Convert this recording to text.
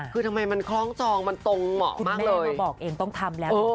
คือทำไมมันคล้องจองมันตรงเหมาะมากเลยคุณไม่ได้มาบอกเองต้องทำแล้วเออ